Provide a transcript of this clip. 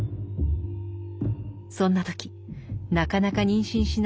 そんな時なかなか妊娠しない